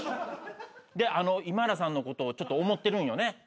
で今田さんのことをちょっと思ってるんよね？